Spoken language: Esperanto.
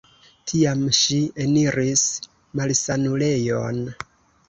Tiam ŝi eniris malsanulejon.